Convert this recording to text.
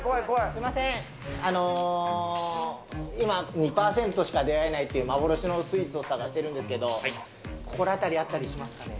すみません、今、２％しか出会えないという幻のスイーツを探しているんですけど、心当たりあったりしますかね？